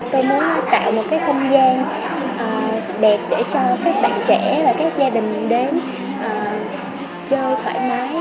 tôi muốn tạo một cái không gian đẹp để cho các bạn trẻ và các gia đình đến chơi thoải mái